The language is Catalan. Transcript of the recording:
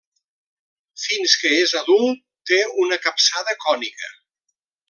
Fins que és adult té una capçada cònica.